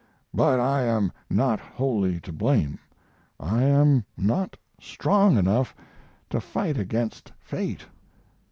But I am not wholly to blame. I am not strong enough to fight against fate.